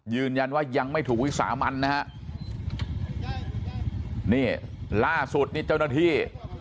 ยืนยันว่ายังไม่ถูกวิสามันนะฮะนี่ล่าสุดนี่เจ้าหน้าที่